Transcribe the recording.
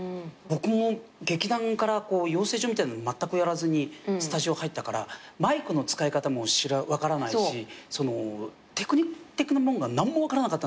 僕も劇団から養成所みたいなのまったくやらずにスタジオ入ったからマイクの使い方も分からないしテクニック的なもんが何も分からなかったんですよ。